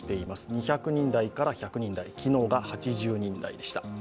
２００人台から１００人台、昨日が８０人台でした。